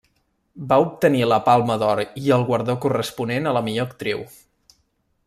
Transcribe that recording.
Va obtenir la Palma d'Or i el guardó corresponent a la millor actriu.